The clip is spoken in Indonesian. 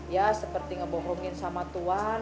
ya seperti ngebohongin sama tuhan